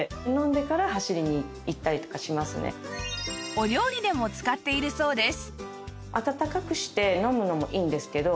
お料理でも使っているそうです